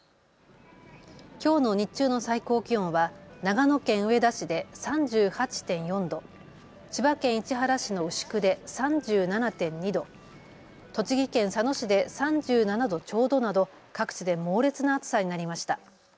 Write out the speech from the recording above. きょうの日中の最高気温は長野県上田市で３８．４度、千葉県市原市の牛久で３７．２度、栃木県佐野市で３７度ちょうどなど各地で猛烈な暑さになりました。